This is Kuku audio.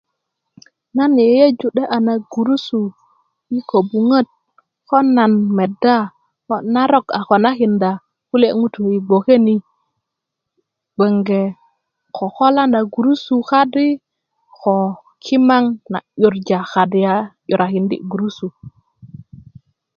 nan yeyeju 'de'ya na gurusu i ko'buŋat ko nan meda ŋo narok a konakin kule ŋutú i gboke ni gbege kokola na gurusu kadi ko kimaŋ na 'yujar kadi a 'yurakindi gurusu